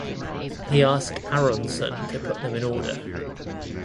He asked Aronson to put them in order.